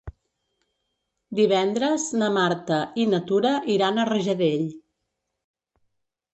Divendres na Marta i na Tura iran a Rajadell.